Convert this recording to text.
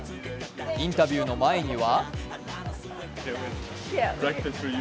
インタビューの前には？